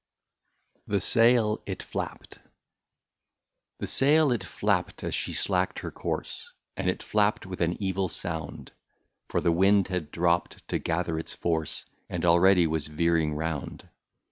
167 THE SAIL IT FLAPPED. The sail it flapped as she slackened her course, And it flapped with an evil sound, For the wind had dropped to gather its force, And already was veering around.